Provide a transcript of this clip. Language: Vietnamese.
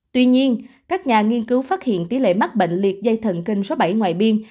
tuy nhiên các nhà nghiên cứu phát hiện tỷ lệ mắc bệnh liệt dây thần kinh số bảy ngoài biên